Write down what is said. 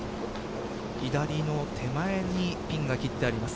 左の手前にピンが切ってあります。